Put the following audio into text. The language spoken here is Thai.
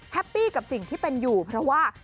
ปี้กับสิ่งที่เป็นอยู่เพราะว่า